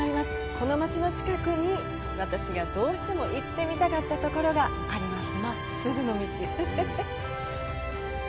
この街の近くに私がどうしても行ってみたかったところがあります。